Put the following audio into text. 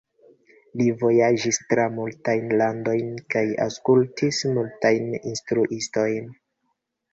Li vojaĝis tra multajn landojn kaj aŭskultis multajn instruistojn.